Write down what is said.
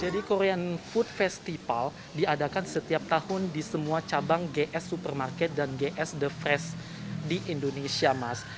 jadi korean food festival diadakan setiap tahun di semua cabang gs supermarket dan gs the fresh di indonesia